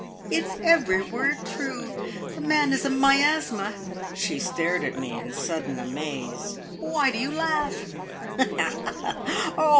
"It's every word true. The man is a miasma." She stared at me in sudden amaze. "Why do you laugh?"